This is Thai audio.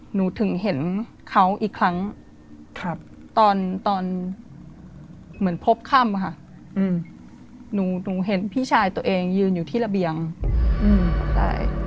หนูถึงเห็นเขาอีกครั้งตอนตอนเหมือนพบค่ำค่ะหนูเห็นพี่ชายตัวเองยืนอยู่ที่ระเบียงใช่